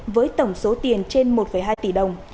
với tổng số tiền trên một hai tỷ đồng